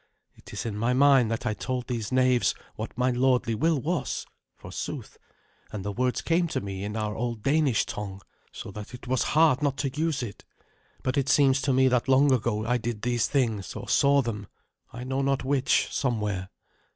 It is in my mind that I told these knaves what my lordly will was, forsooth; and the words came to me in our old Danish tongue, so that it was hard not to use it. But it seems to me that long ago I did these things, or saw them, I know not which, somewhere.